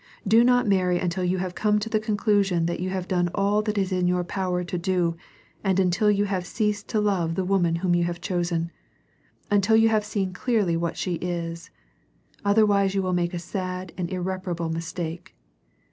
Do not marry until you have come to the conclusion that you have done all that is in your power to do and until you have ceased to love the woman whom you have chosen, until you have seen clearly what she is ; otherwise, you will ma.ke a sad and irreparable mistake.